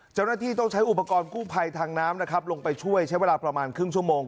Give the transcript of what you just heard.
เจ้าหน้าที่ต้องใช้อุปกรณ์กู้ภัยทางน้ำนะครับลงไปช่วยใช้เวลาประมาณครึ่งชั่วโมง